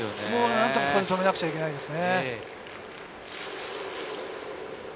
何とか止めなくちゃいけないですね。